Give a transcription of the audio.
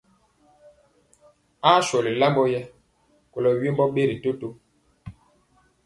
Aa sɔli lambɔ yɛ kolɔ wembɔ ɓeri toto.